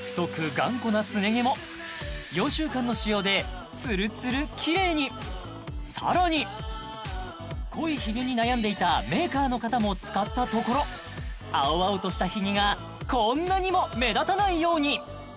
頑固なすね毛も４週間の使用でつるつるキレイにさらに濃いひげに悩んでいたメーカーの方も使ったところ青々としたひげがこんなにも目立たないように！